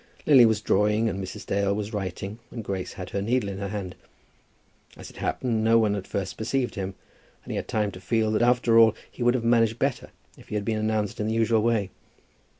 Lily was drawing, and Mrs. Dale was writing, and Grace had her needle in her hand. As it happened, no one at first perceived him, and he had time to feel that after all he would have managed better if he had been announced in the usual way.